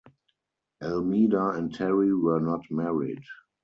Almeida and Terri were not married.